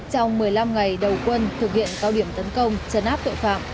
trong một mươi năm ngày đầu quân thực hiện cao điểm tấn công chấn áp tội phạm